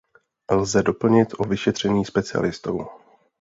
Lze doplnit o vyšetření specialistou.